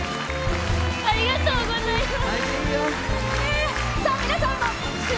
ありがとうございます。